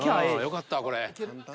よかったわこれ。